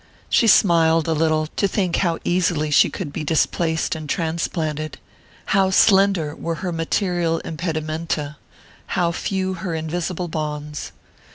She smiled a little to think how easily she could be displaced and transplanted how slender were her material impedimenta, how few her invisible bonds!